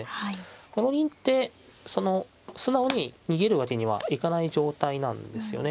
この銀ってその素直に逃げるわけにはいかない状態なんですよね。